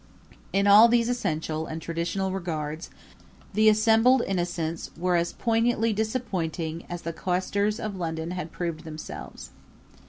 In all these essential and traditional regards the assembled Innocents were as poignantly disappointing as the costers of London had proved themselves.